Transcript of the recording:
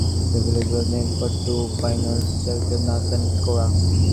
The village was named for two pioneer settlers, Nash and Kora.